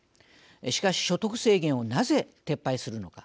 しかし所得制限をなぜ撤廃するのか。